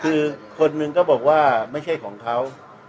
คือคนหนึ่งก็บอกว่าไม่ใช่ของเขา